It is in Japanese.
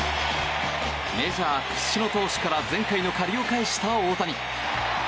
メジャー屈指の投手から前回の借りを返した大谷。